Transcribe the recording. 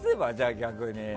逆に。